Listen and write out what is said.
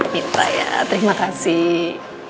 minta ya terima kasih